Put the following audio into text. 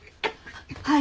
はい。